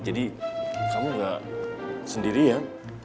jadi kamu gak sendirian